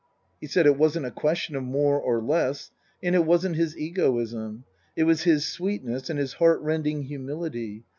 He said, it wasn't a question of more or less. And it wasn't his egoism. It was his sweetness and his heart rending humility.